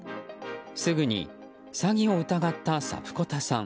すぐに詐欺を疑ったサプコタさん。